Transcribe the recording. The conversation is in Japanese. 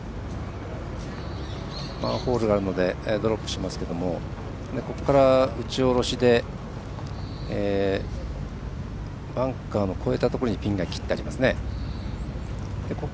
１ホールがあるのでドロップしますけどここから打ち下ろしでバンカーを越えたところにピンが切ってありますね。